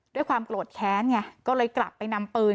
ด้วยความโกรธแค้นไงก็เลยกลับไปนำปืน